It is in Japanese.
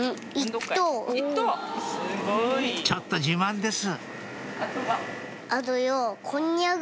ちょっと自慢です